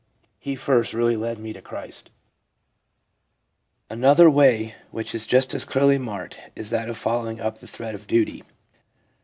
He first really led me to Christ/ Another way which is just as clearly marked is that of following up the thread of duty.